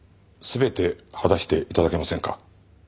全て話して頂けませんか？